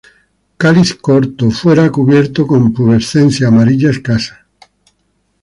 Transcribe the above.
Cáliz corto, fuera cubierto con pubescencia amarilla escasa.